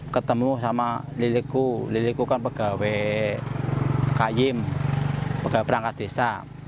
ketemu sama lilikku liliku kan pegawai kayim pegawai perangkat desa